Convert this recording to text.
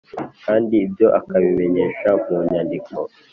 Kandi ibyo akabimenyesha mu nyandiko